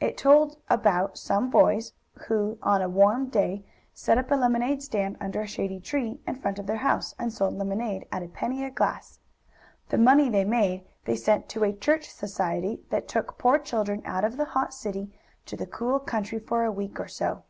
It told about some boys who, on a warm day, set up a lemonade stand under a shady tree, in front of their house, and sold lemonade at a penny a glass. The money they made they sent to a church society, that took poor children out of the hot city to the cool country for a week or so.